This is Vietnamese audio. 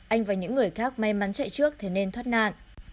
anh và những người khác may mắn chạy trước thì nên thoát nạn